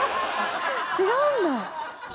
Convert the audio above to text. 違うんだ。